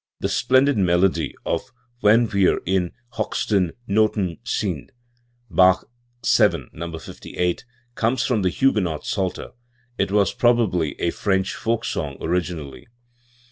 The splendid melody of *'Wenn wir in hochsten Notcn sind 1 ' (Bach VII, No. 58), comes from the Huguenot Psalter; it was probably a French folk song originally .